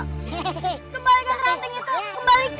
kembalikan ranting itu